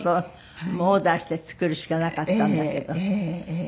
オーダーして作るしかなかったんだけど。